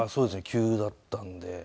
急だったんで。